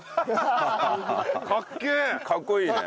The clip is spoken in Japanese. かっこいいね。